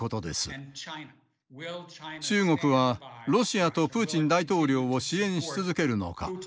中国はロシアとプーチン大統領を支援し続けるのか。